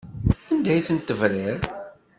Anda ay tent-tebriḍ?